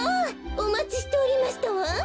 おまちしておりましたわん。